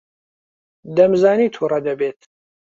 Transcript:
دەمزانی تووڕە دەبیت.